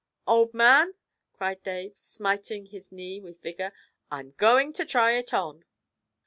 'Old man!' cried Dave, smiting his knee with vigour, 'I'm going to try it on!'